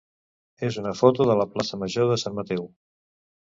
és una foto de la plaça major de Sant Mateu.